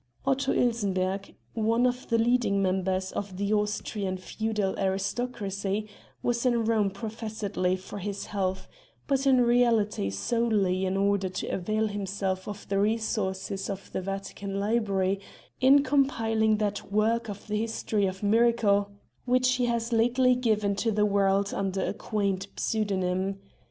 Otto Ilsenbergh, one of the leading members of the Austrian feudal aristocracy, was in Rome professedly for his health, but in reality solely in order to avail himself of the resources of the Vatican library in compiling that work on the History of Miracle which he has lately given to the world under a quaint pseudonym.